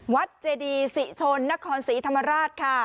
เจดีศรีชนนครศรีธรรมราชค่ะ